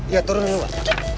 iya turun dulu mak